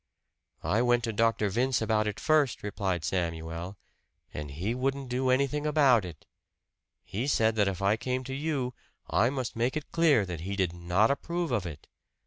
"I went to Dr. Vince about it first," replied Samuel. "And he wouldn't do anything about it. He said that if I came to you, I must make it clear that he did not approve of it.